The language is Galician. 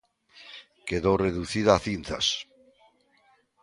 Quedou reducida a cinzas.